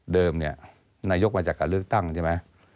เดิมเนี่ยนายกมาจากการเลือกตั้งใช่ไหม